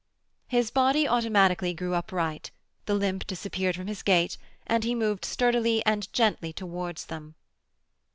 His body automatically grew upright, the limp disappeared from his gait and he moved sturdily and gently towards them.